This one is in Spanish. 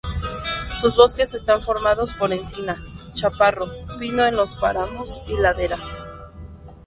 Sus bosques están formados por encina, chaparro, pino en los páramos y laderas.